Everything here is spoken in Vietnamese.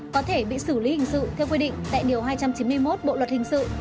có thể bị xử lý hình sự theo quy định tại điều hai trăm chín mươi một bộ luật hình sự